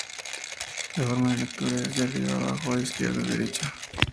La forma de lectura es de arriba abajo y de derecha a izquierda.